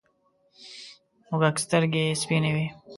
موږک سترگې سپینې وې.